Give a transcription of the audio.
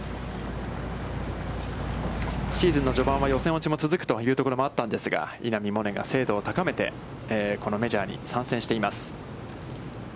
シーズンの序盤は、予選落ちも続くというところもあったんですが、稲見萌寧が精度を高めて、このメジャーに参戦しています。